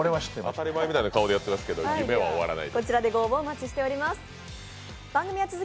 当たり前ぐらいの顔でやってますけど、夢は終わらない。